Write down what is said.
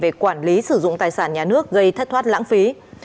về quản lý sử dụng tài sản nhà nước gây thất thoát lãng phí